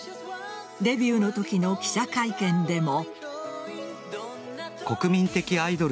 デビューのときの記者会見でも。